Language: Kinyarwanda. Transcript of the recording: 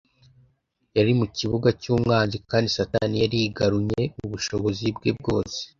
Yari mu kibuga cy'umwanzi, kandi Satani yari yigarunye ubushobozi bwe bwose.